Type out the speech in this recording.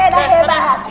hebat rena hebat